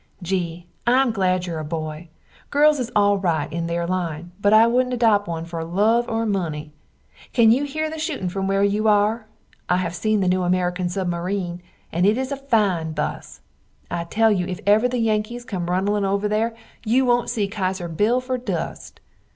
Gee, Im glad your a boy, girls is al rite in there line but I woodnt adop one fer love or money. Can you here the shootin from where you are? I have seen the new American submareen and it is a fine bus, I tell you if ever the Yankees come runnln over there you wont see Kaiser Bill fer dust.